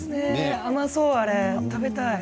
甘そう、食べたい。